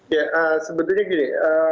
ya sebetulnya gini